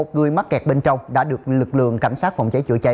một mươi một người mắc kẹt bên trong đã được lực lượng cảnh sát phòng cháy chữa cháy